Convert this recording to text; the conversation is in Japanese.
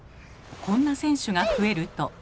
こんな選手が増えると。